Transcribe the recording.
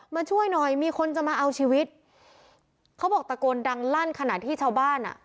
มาช่วยหน่อยมีคนจะมาเอาชีวิตเขาบอกตะโกนดังลั่นขณะที่ชาวบ้านอ่ะ